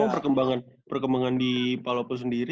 tapi emang perkembangan di palopo sendiri